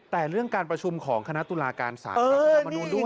แต่เรื่องการประชุมของคณะตุลาการสารรัฐธรรมนุนด้วย